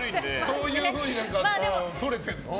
そういうふうに撮れてるの？